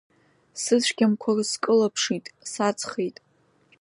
Сыцәгьамкәа скылаԥшит, саҵхеит.